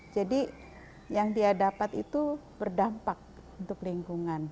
jadi yang dia dapat itu berdampak untuk lingkungan